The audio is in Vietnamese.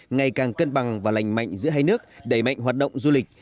ngày càng cân bằng và lành mạnh giữa hai nước đẩy mạnh hoạt động du lịch